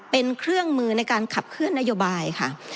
เป็นเครื่องมือในการขับเคลื่อนนโยบายค่ะ